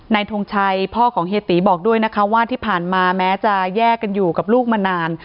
ทงชัยพ่อของเฮียตีบอกด้วยนะคะว่าที่ผ่านมาแม้จะแยกกันอยู่กับลูกมานาน